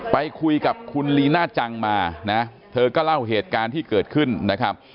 ไปคุยกับคุณลีน่าจังมานะเธอก็เล่าเหตุการณ์ที่เกิดขึ้นนะครับ